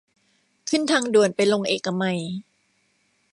ขึ้นทางด่วนไปลงเอกมัย